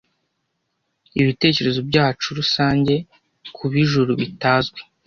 Ibitekerezo byacu rusange kubijuru bitazwi,